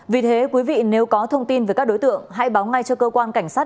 vì thế quý vị nếu có thông tin về các đối tượng hãy báo ngay cho cơ quan cảnh sát